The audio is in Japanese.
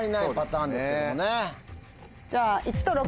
じゃあ。